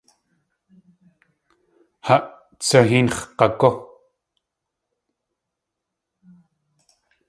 Ha tsu héenx̲ g̲agú!